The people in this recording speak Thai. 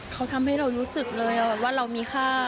เขาทำให้เรารู้สึกเลยว่าเรามีค่า